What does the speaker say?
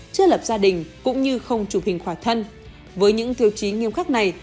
chưa lập gia đình cũng như không chụp hình khỏa thân với những tiêu chí nghiêm khắc này